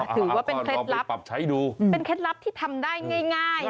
ถือว่าเป็นเคล็ดลับเป็นเคล็ดลับที่ทำได้ง่ายนะ